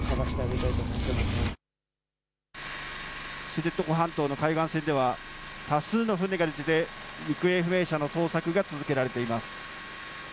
知床半島の海岸線では多数の船が出て行方不明者の捜索が続けられています。